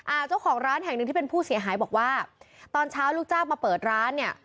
เจ้าของร้านแห่งหนึ่งที่เป็นผู้เสียหายบอกว่าตอนเช้าลูกจ้างมาเปิดร้านเนี่ย